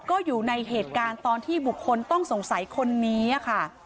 ก็อยู่ในเหตุการณ์ตอนที่บุคคลต้องสงสัยคนนี้ค่ะ